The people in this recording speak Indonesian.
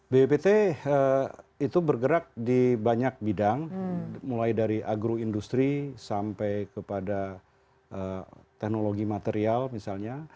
bppt itu bergerak di banyak bidang mulai dari agroindustri sampai kepada teknologi material misalnya